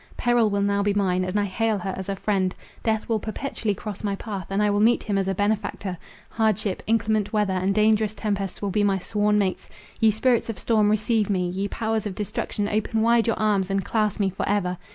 Peril will now be mine; and I hail her as a friend—death will perpetually cross my path, and I will meet him as a benefactor; hardship, inclement weather, and dangerous tempests will be my sworn mates. Ye spirits of storm, receive me! ye powers of destruction, open wide your arms, and clasp me for ever!